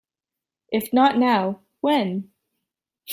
If Not Now, When?